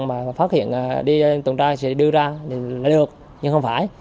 mà phát hiện đi tuần tra sẽ đưa ra được nhưng không phải